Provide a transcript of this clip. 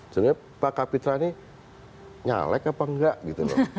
sebenarnya pak kapitra ini nyalek apa enggak gitu loh